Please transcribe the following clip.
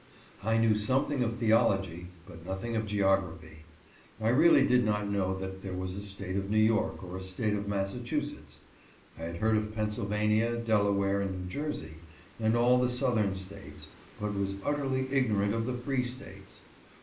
I knew something of theology, but nothing of geography. I really did not know that there was a State of New York, or a State of Massachusetts. I had heard of Pennsylvania, Delaware, and New Jersey, and all the Southern States, but was utterly ignorant of the free States.